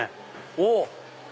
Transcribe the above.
おっ！